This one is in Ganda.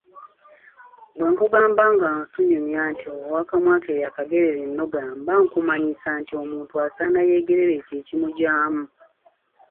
Bwe nkugamba nga tunyumya nti ‘Ow’akamwa ke y’akagerera ennoga’ mba nkumanyisa nti Omuntu asana yeegerere ekyo ekimugyamu.